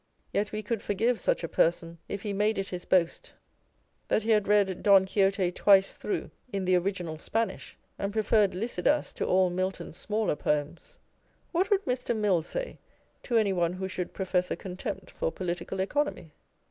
Yet we could forgive such a person, if he made it his boast that he had read Don On Egotism. 223 Quixote twice through in the original Spanish, and pre ferred Lycidas to all Milton's smaller poems ! What would Mr. Mill l say to any one who should profess a con tempt for political economy?